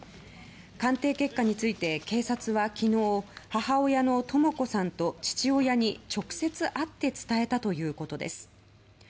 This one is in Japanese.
鑑定結果について警察は昨日母親のとも子さんと父親に、直接会って伝えたということです。